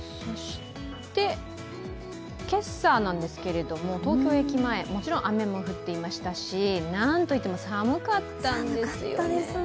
今朝なんですけれども、東京駅前、もちろん雨も降っていましたしなんと言っても寒かったんですよね。